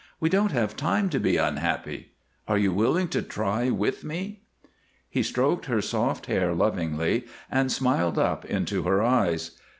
We won't have time to be unhappy. Are you willing to try with me?" He stroked her soft hair lovingly and smiled up into her eyes.